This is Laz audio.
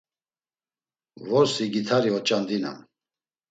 Vorsi gitari oç̌andinam.